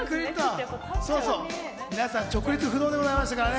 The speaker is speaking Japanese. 皆さん、直立不動でございましたからね。